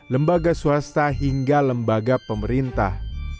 lembaga swasta hingga lembaga pemerintah